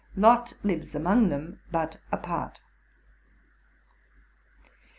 Lot lives among them, but apart.